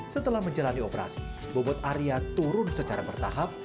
setelah menjalani operasi bobot area turun secara bertahap